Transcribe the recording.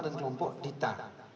dan kelompok dita